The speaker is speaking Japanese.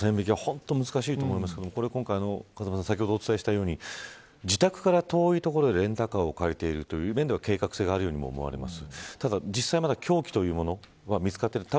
線引きは本当に難しいことだと思いますが風間さん、先ほどお伝えしたように、自宅から遠い所でレンタカーを借りていという面では計画性もあるように思われます。